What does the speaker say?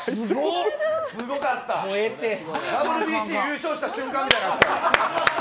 ＷＢＣ優勝した瞬間みたいになってた。